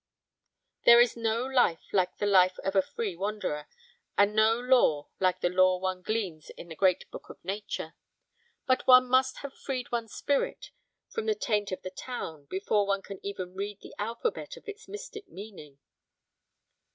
There is no life like the life of a free wanderer, and no lore like the lore one gleans in the great book of nature. But one must have freed one's spirit from the taint of the town before one can even read the alphabet of its mystic meaning.